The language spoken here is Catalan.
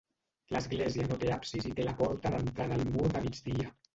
L'església no té absis i té la porta d'entrada al mur de migdia.